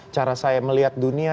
cara saya melihat dunia